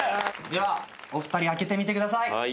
ではお二人開けてみてください。